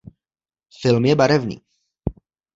Film je Barevný.